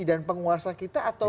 dan penguasa kita atau